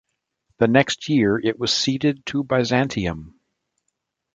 The next year it was ceded to Byzantium.